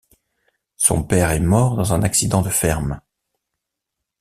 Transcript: Son père est mort dans un accident de ferme.